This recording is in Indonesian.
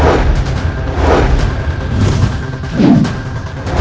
aku akan menang